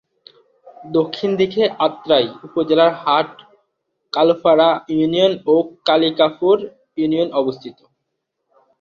দক্ষিণ দিকে আত্রাই উপজেলার হাট-কালুপাড়া ইউনিয়ন ও কালিকাপুর ইউনিয়ন অবস্থিত।